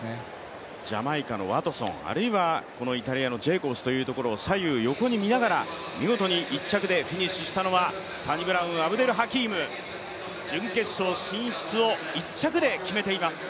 ジャマイカのワトソン、イタリアのジェイコブスというところを左右横に見ながら、見事に１着でフィニッシュしたのはサニブラウン・アブデル・ハキーム、準決勝進出を１着で決めています。